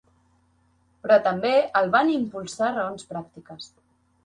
Però també el van impulsar raons pràctiques.